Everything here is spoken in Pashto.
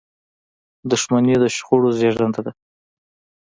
• دښمني د شخړو زیږنده ده.